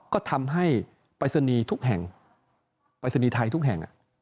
ก็ทำให้ปรายศนีย์ทุกแห่งปรายศนีย์ไทยทุกแห่ง